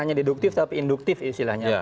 tidak reduktif tapi induktif istilahnya